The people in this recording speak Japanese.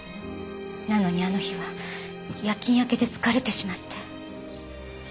なのにあの日は夜勤明けで疲れてしまって。